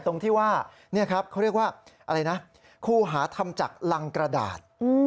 ตรงที่ว่านี่ครับเขาเรียกว่าอะไรนะครูหาทำจากรังกระดาษ